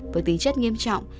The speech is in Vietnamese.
với tính chất nghiêm trọng